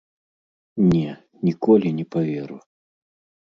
Не, ніколі не паверу!